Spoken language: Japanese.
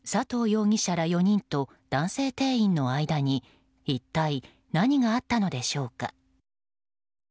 容疑者ら４人と男性店員との間に一体何があったのでしょうか。